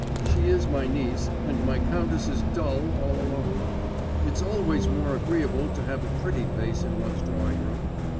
She is my niece, and my countess is dull all alone.... It's always more agreeable to have a pretty face in one's drawing room....